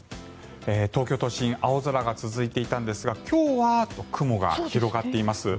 東京都心青空が続いていたんですが今日は雲が広がっています。